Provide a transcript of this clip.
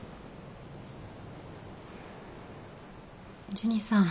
ジュニさん